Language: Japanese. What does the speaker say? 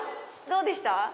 どうでした？